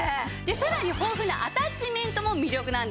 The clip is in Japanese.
さらに豊富なアタッチメントも魅力なんですね。